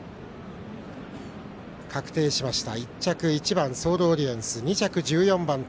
確定しました。